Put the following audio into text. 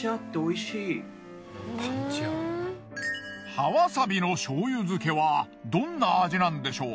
葉わさびの醤油漬けはどんな味なんでしょう？